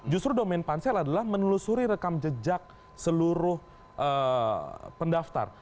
justru domain pansel adalah menelusuri rekam jejak seluruh pendaftar